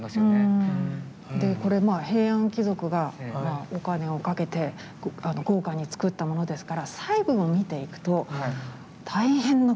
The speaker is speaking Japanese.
でこれまあ平安貴族がお金をかけて豪華に作ったものですから細部を見ていくと大変なことが分かってきます。